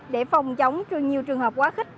để phòng chống cho nhiều trường hợp quá khích